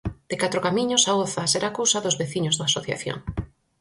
De Catros Camiños a Oza será cousa dos veciños da asociación.